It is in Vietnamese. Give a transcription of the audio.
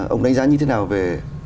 ông đánh giá như thế nào về